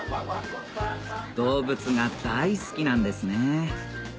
動物が大好きなんですね